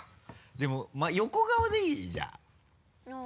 でも横顔でいい？じゃあ。